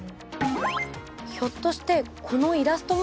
ひょっとしてこのイラストも。